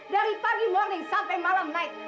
dari pagi pagi sampai malam malam